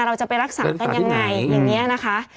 เราจะไปรักษากันยังไงอย่างนี้นะคะ